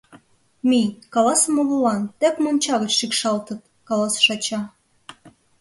— Мий, каласе молылан, тек монча гыч шикшалтыт, — каласыш ача.